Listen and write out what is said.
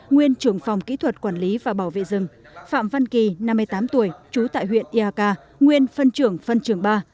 nguyễn trưởng phòng kỹ thuật quản lý và bảo vệ rừng phạm văn kỳ năm mươi tám tuổi trú tại huyện eak nguyễn phân trưởng phân trưởng ba